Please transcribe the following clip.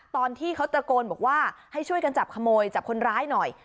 ตอนที่เขาตะโกนบอกว่าให้ช่วยกันจับขโมยจับคนร้ายหน่อย